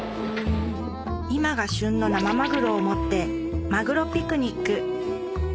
今が旬の生まぐろを持ってまぐろピクニック